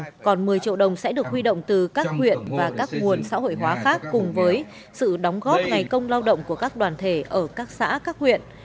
tỉnh đắk lắc hỗ trợ hai mươi triệu đồng sẽ được huy động từ các huyện và các nguồn xã hội hóa khác cùng với sự đóng góp ngày công lao động của các đoàn thể ở các xã các huyện